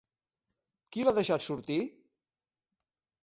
Qui l'ha deixat sortir?